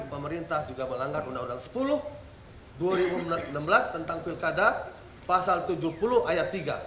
pemerintah juga melanggar undang undang sepuluh dua ribu enam belas tentang pilkada pasal tujuh puluh ayat tiga